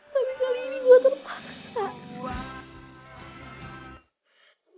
tapi kali ini gue terpaksa buat